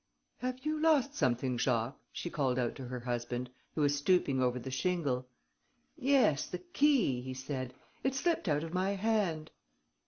"Have you lost something, Jacques?" she called out to her husband, who was stooping over the shingle. "Yes, the key," he said. "It slipped out of my hand."